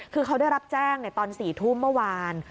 คือเขาได้รับแจ้งตอน๔ทุ่มเมื่อวาน